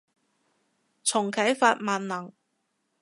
重啟法萬能